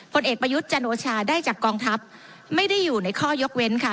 ผลเอกประยุทธ์จันโอชาได้จากกองทัพไม่ได้อยู่ในข้อยกเว้นค่ะ